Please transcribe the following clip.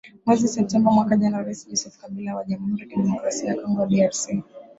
mwezi septemba mwaka jana rais joseph kabila wa jamhuri kidemokrasi ya congo drc